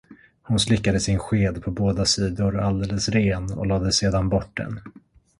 Hon slickade sin sked på båda sidor alldeles ren och lade sedan bort den.